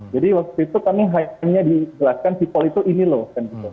jadi waktu itu kami hanya dijelaskan cipol itu ini loh kan gitu